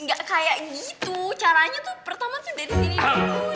enggak kayak gitu caranya tuh pertama dari sini dulu